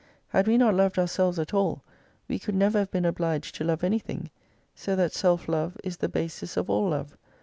Had we not loved ourselves at all, we could never have been obliged to love any thing. So that self love is the basis of all love.